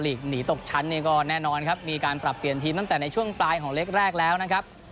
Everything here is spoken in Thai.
หนีตกชั้นเนี่ยก็แน่นอนครับมีการปรับเปลี่ยนทีมตั้งแต่ในช่วงปลายของเล็กแรกแล้วนะครับ